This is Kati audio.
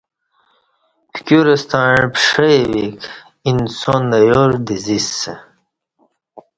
پکیور ستݩع پݜی ویک انسان اہ یار دزیسہ